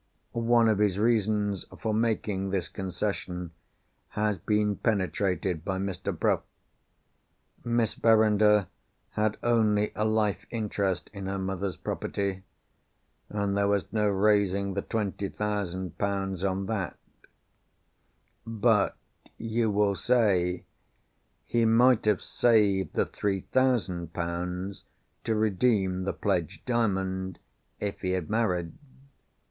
One of his reasons for making this concession has been penetrated by Mr. Bruff. Miss Verinder had only a life interest in her mother's property—and there was no raising the twenty thousand pounds on that. But you will say, he might have saved the three thousand pounds, to redeem the pledged Diamond, if he had married.